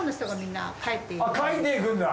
書いていくんだ！